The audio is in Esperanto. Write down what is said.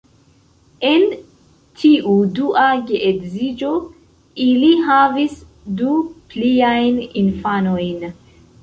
En tiu dua geedziĝo, ili havis du pliajn infanojn.